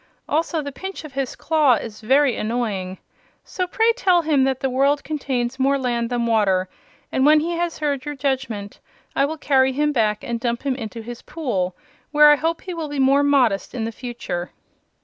Also the pinch of his claw is very annoying. So pray tell him that the world contains more land than water, and when he has heard your judgment I will carry him back and dump him into his pool, where I hope he will be more modest in the future."